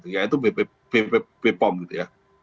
yaitu bpom gitu ya